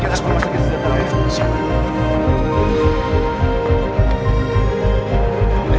jangan sepenuh masa